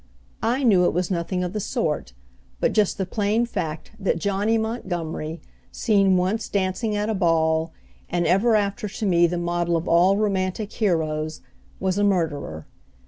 I knew it was nothing of the sort, but just the plain fact that Johnny Montgomery, seen once dancing at a ball, and ever after to me the model of all romantic heroes, was a murderer.